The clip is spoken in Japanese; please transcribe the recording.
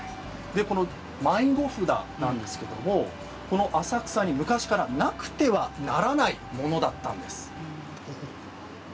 迷子札ですが浅草に昔から、なくてはならないものだったんです。